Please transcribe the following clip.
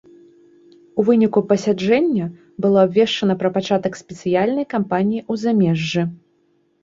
У выніку пасяджэння было абвешчана пра пачатак спецыяльнай кампаніі ў замежжы.